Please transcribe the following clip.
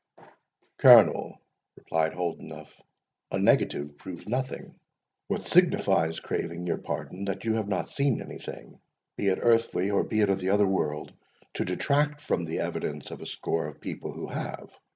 "Colonel," replied Holdenough, "a negative proves nothing. What signifies, craving your pardon, that you have not seen anything, be it earthly or be it of the other world, to detract from the evidence of a score of people who have?